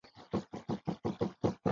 加入中共。